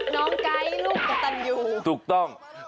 น้องไกร์ลูกกระตันอยู่ถูกต้อง